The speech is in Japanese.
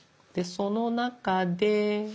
その中で。